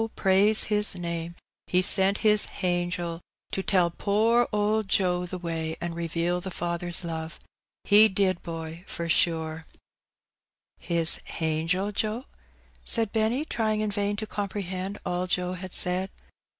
praise His name^ He sent His hangel to tell poor owd Joe the way, an' reveal the Father's love — He did, boy, for sure/' "His hangel, Joe?" said Benny, trying in vain to com prehend all Joe had said.